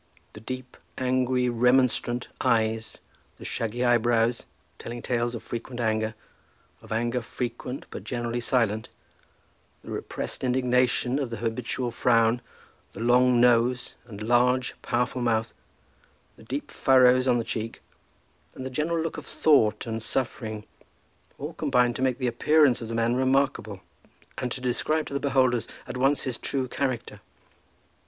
The deep angry remonstrant eyes, the shaggy eyebrows, telling tales of frequent anger, of anger frequent but generally silent, the repressed indignation of the habitual frown, the long nose and large powerful mouth, the deep furrows on the cheek, and the general look of thought and suffering, all combined to make the appearance of the man remarkable, and to describe to the beholders at once his true character.